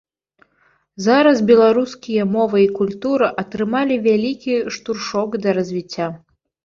Зараз беларускія мова і культура атрымалі вялікі штуршок да развіцця.